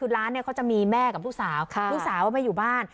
ร้านนี้เขาจะมีแม่กับผู้สาวผู้สาวไม่อยู่บ้าน